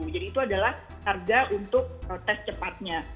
jadi itu adalah harga untuk tes cepatnya